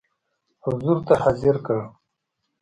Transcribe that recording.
حضور ته حاضر کړ.